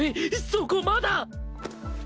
そこまだ！